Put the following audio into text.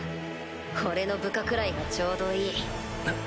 俺の部下くらいがちょうどいい。